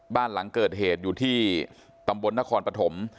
บ้านหลังเกิดเหตุอยู่ที่ตำบลนครปฐม